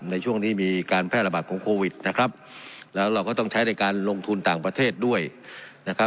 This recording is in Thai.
ในช่วงนี้มีการแพร่ระบาดของโควิดนะครับแล้วเราก็ต้องใช้ในการลงทุนต่างประเทศด้วยนะครับ